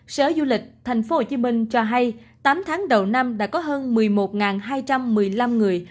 sở du lịch thành phố hồ chí minh cho hay tám tháng đầu năm đã có hơn một mươi một hai trăm một mươi năm người